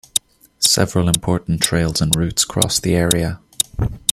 Several important trails and routes crossed the area.